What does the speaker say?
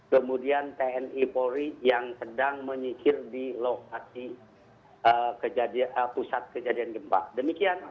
kemudian tni polri yang sedang menyikir di lokasi pusat kejadian gempa demikian